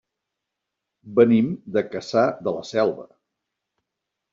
Venim de Cassà de la Selva.